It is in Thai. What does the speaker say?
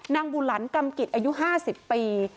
บุหลันกรรมกิจอายุ๕๐ปี